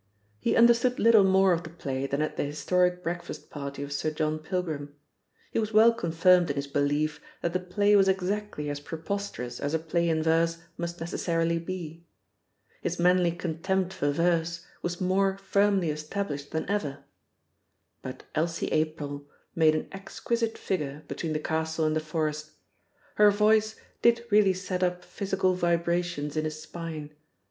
He understood little more of the play than at the historic breakfast party of Sir John Pilgrim; he was well confirmed in his belief that the play was exactly as preposterous as a play in verse must necessarily be; his manly contempt for verse was more firmly established than ever but Elsie April made an exquisite figure between the castle and the forest; her voice did really set up physical vibrations in his spine.